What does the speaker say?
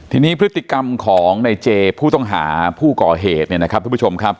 ทีนี้พฤติกรรมของในเจพภูตรงหาผู้ก่อเหตุทุกชมครับ